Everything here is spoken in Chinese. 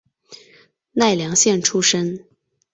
奈良县出身。